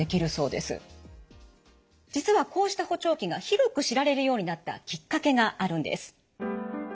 実はこうした補聴器が広く知られるようになったきっかけがあるんです。